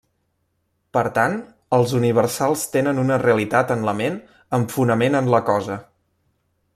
Per tant, els universals tenen una realitat en la ment amb fonament en la cosa.